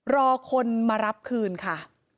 รอคนมารับคืนค่ะ